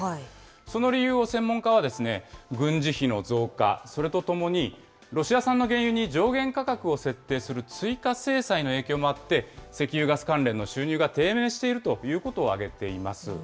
その理由を専門家は、軍事費の増加、それとともに、ロシア産の原油に上限価格を設定する追加制裁の影響もあって、石油・ガス関連の収入が低迷しているということを挙げています。